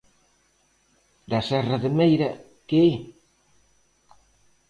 Da serra de Meira, ¿que?